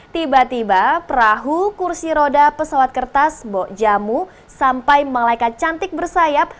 tiba tiba perahu kursi roda pesawat kertas bok jamu sampai malaikat cantik bersayap